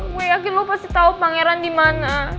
gue yakin lo pasti tau pangeran dimana